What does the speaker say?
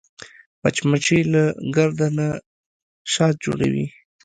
مچمچۍ له ګرده نه شات جوړوي